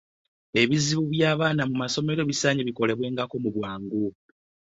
Ebizibu by’abaana mu masomero bisaanye bikolebwengako mu bwangu.